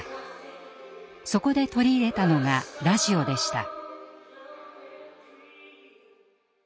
そこで取り入れたのがラジオでした。